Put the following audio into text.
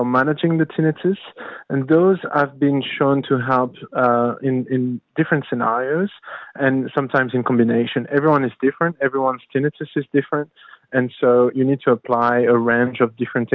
dan itu telah diperlihat untuk membantu dalam senarai yang berbeda